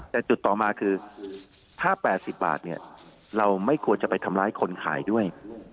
แต่จุดต่อมาคือถ้า๘๐บาทเนี่ยเราไม่ควรจะไปทำร้ายคนขายด้วย